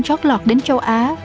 trót lọt đến châu á